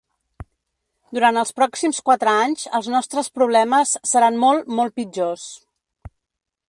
Durant els pròxims quatre anys, els nostres problemes seran molt, molt pitjors.